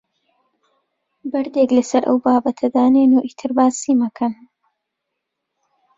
بەردێک لەسەر ئەو بابەتە دابنێن و ئیتر باسی مەکەن.